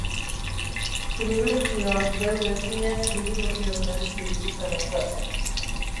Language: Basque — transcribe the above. Pribilegioak beude zinez pribilegioak merezi dituztenentzat.